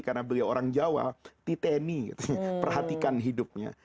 karena beliau orang jawa titeni perhatikan hidupnya